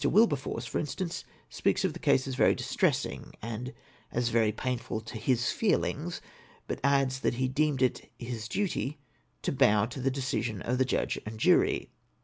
Wilberforce, for instance, speaks of tlie case as very distressing, and as very painful to his feelings — but adds that lie deemed it Ms duty to boiv to the decision of the judge en id jury.